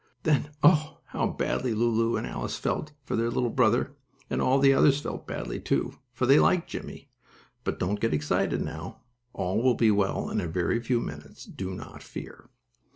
Then, oh, how badly Lulu and Alice felt for their little brother! and all the others felt badly, too, for they liked Jimmie. But don't get excited now. All will be well in a very few minutes. Do not fear.